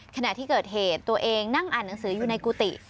ขณะที่เกิดเหตุตัวเองนั่งอ่านหนังสืออยู่ในกุฏิ